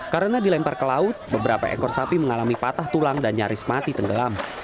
karena dilempar ke laut beberapa ekor sapi mengalami patah tulang dan nyaris mati tenggelam